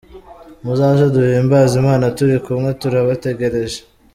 Muzaze duhimbaze Imana turi kumwe, turabategereje.